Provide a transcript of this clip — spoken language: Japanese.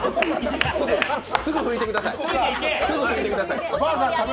すぐ拭いてください。